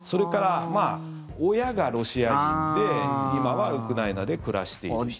それから親がロシア人で、今はウクライナで暮らしている人。